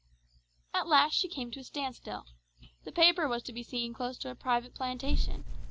At last she came to a standstill. The paper was to be seen close to a private plantation.